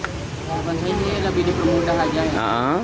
lalu kan sendiri lebih dipermudah aja